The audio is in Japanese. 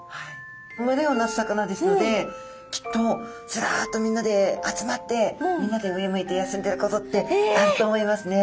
群れを成す魚ですのできっとズラッとみんなで集まってみんなで上向いて休んでることってあると思いますね。